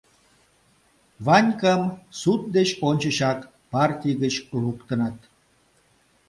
Ванькам суд деч ончычак партий гыч луктыныт.